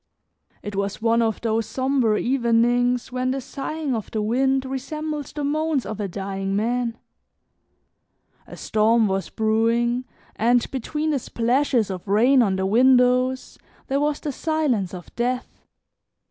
It was one of those somber evenings when the sighing of the wind resembles the moans of a dying man; a storm was brewing, and between the splashes of rain on the windows there was the silence of death.